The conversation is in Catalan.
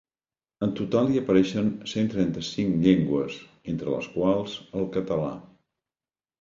En total hi apareixen cent trenta-cinc llengües, entre les quals, el català.